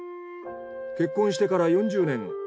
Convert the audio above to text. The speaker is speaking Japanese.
結婚してから４０年。